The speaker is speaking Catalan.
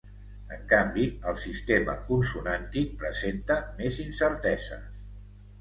En canvi el sistema consonàntic presenta més incerteses.